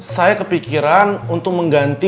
saya kepikiran untuk mengganti